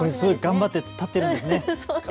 頑張って立っているんですね。